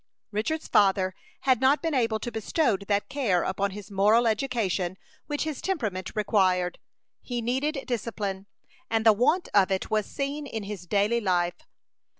Richard's father had not been able to bestow that care upon his moral education which his temperament required. He needed discipline, and the want of it was seen in his daily life.